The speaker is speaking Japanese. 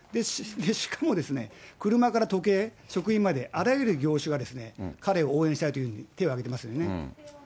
しかも、車から時計、食品まで、あらゆる業種が、彼を応援したいというふうに手を挙げてますよね。